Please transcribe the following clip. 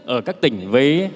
ở các tỉnh với nhau